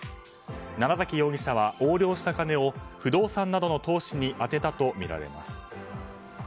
楢崎容疑者は横領した金を不動産などの投資に充てたとみられます。